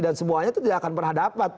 dan semuanya itu tidak akan pernah dapat